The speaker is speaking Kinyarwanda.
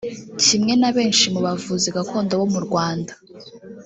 Kimwe na benshi mu bavuzi gakondo bo mu Rwanda